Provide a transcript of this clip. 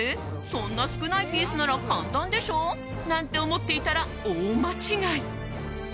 そんな少ないピースなら簡単でしょ？なんて思っていたら、大間違い。